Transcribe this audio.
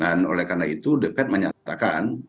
dan oleh karena itu the fed menyatakan